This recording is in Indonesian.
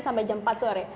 sampai jam empat sore